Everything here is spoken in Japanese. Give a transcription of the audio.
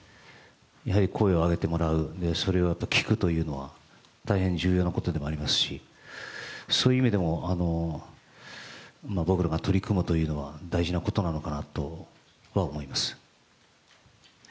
やはり声を上げてもらう、それを聞くというのは大変重要なことでもありますしそういう意味でも、僕らが取り組むことは大事なことなのかなとは思います。